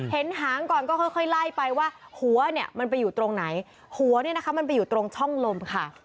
หางก่อนก็ค่อยไล่ไปว่าหัวเนี่ยมันไปอยู่ตรงไหนหัวเนี่ยนะคะมันไปอยู่ตรงช่องลมค่ะ